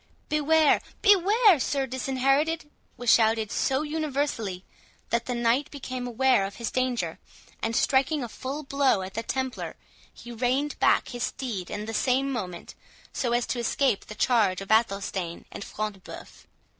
"Beware! beware! Sir Disinherited!" was shouted so universally, that the knight became aware of his danger; and, striking a full blow at the Templar, he reined back his steed in the same moment, so as to escape the charge of Athelstane and Front de Bœuf.